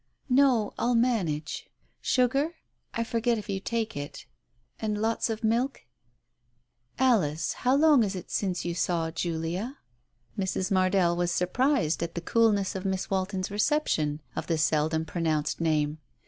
"No, I'll manage. Sugar? I forget if you take it? And lots of milk ?... Alice, how long is it since you saw Julia ?" Mrs. Mardell was surprised at the coolness of Miss Walton's reception of the seldom pronounced name.